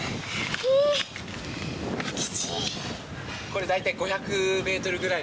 これ大体。